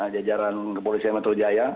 jajaran kepolisian metro jaya